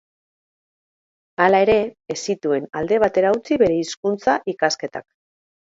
Hala ere, ez zituen alde batera utzi bere hizkuntza-ikasketak.